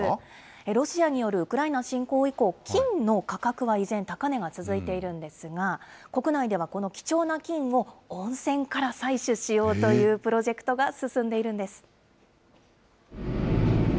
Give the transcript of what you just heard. ロシアによるウクライナ侵攻以降、金の価格が依然、高値が続いてるんですが、国内ではこの貴重な金を、温泉から採取しようというプロジェクトが進んでいるんです。